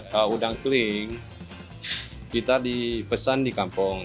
kalau udang kering kita dipesan di kampung